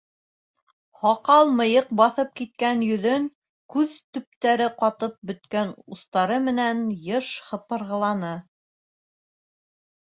Һаҡал-мыйыҡ баҫып киткән йөҙөн, күҙ төптәрен ҡатып бөткән устары менән йыш һыпырғыланы.